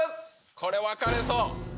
これ分かれそう。